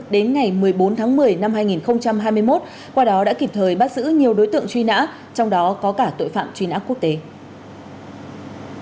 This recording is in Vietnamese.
đến ngày một mươi bốn tháng một mươi năm hai nghìn hai mươi một qua đó đã kịp thời bắt giữ nhiều đối tượng truy nã trong đó có cả tội phạm truy nã quốc tế